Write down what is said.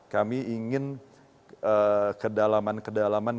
kami ingin kedalaman kedalaman